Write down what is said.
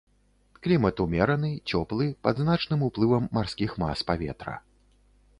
Клімат умераны, цёплы, пад значным уплывам марскіх мас паветра.